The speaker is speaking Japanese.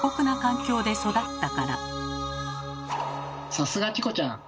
さすがチコちゃん。